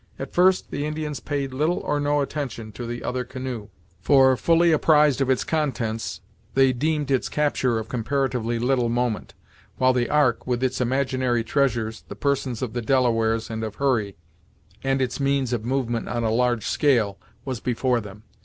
At first the Indians paid little or no attention to the other canoe, for, fully apprised of its contents, they deemed its capture of comparatively little moment, while the Ark, with its imaginary treasures, the persons of the Delaware and of Hurry, and its means of movement on a large scale, was before them.